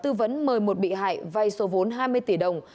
thảo đã tư vấn mời một bị hại vai số vốn hai mươi tỷ đồng